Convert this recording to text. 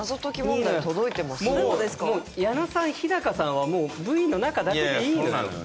もう矢野さん日さんはもうＶの中だけでいいのよ。